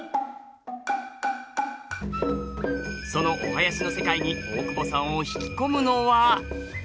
そのお囃子の世界に大久保さんを引き込むのは。